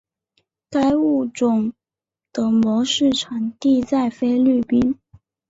该物种的模式产地在菲律宾。